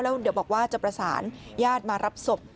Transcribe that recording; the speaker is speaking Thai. แล้วเดี๋ยวบอกว่าจะประสานญาติมารับศพ